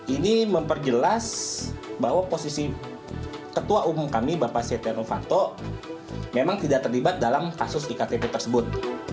ini memperjelas bahwa posisi ketua umum kami bapak setia novanto memang tidak terlibat dalam kasus iktp tersebut